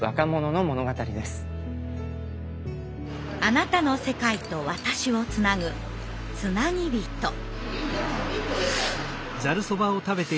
あなたの世界と私をつなぐつなぎびと。